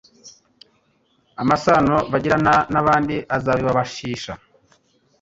Amasano bagirana n'abandi azabibabashisha.